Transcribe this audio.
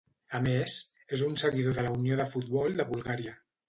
A més, és un seguidor de la Unió de Futbol de Bulgària.